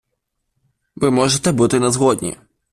Ви можете бути не згодні.